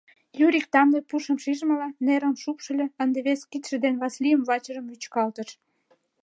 Юрик тамле пушым шижмыла, нерым шупшыльо, ынде вес кидше ден Васлийын вачыжым вӱчкалтыш: